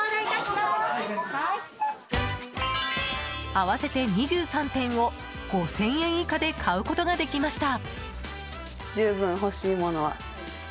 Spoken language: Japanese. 合わせて２３点を５０００円以下で買うことができました。